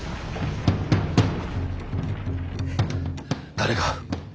誰が。